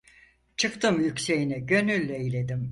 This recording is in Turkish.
Çıktım yükseğine gönül eğledim.